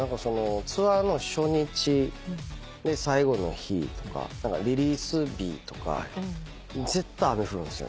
ツアーの初日最後の日とかリリース日とか絶対雨降るんすよ。